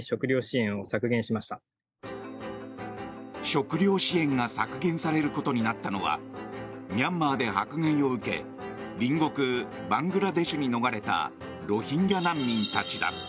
食料支援が削減されることになったのはミャンマーで迫害を受け隣国バングラデシュに逃れたロヒンギャ難民たちだ。